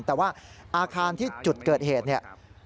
แต่ว่าอาคารที่จุดเกิดเหตุเนี่ย